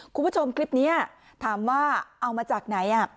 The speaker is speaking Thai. คุณผู้ชมคลิปนี้ถามว่าเอามาจากไหน